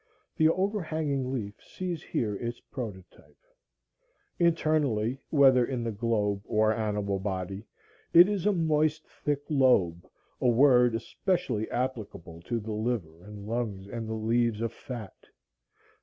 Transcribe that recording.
The overhanging leaf sees here its prototype. Internally, whether in the globe or animal body, it is a moist thick lobe, a word especially applicable to the liver and lungs and the leaves of fat